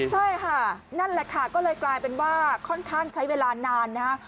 ใช่ค่ะนั่นแหละค่ะก็เลยกลายเป็นว่าค่อนข้างใช้เวลานานนะฮะ